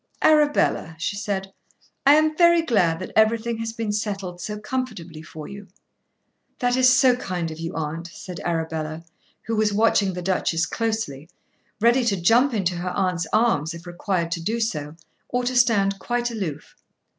"Arabella," she said, "I am very glad that everything has been settled so comfortably for you." "That is so kind of you, aunt," said Arabella, who was watching the Duchess closely, ready to jump into her aunt's arms if required to do so, or to stand quite aloof.